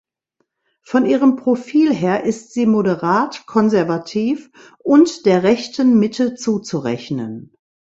Von ihrem Profil her ist sie moderat konservativ und der rechten Mitte zuzurechnen.